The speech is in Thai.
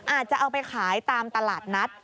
อาจจะเอาไปขายตามตลาดนัด